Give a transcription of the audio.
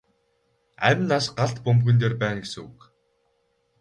Амь нас галт бөмбөгөн дээр байна гэсэн үг.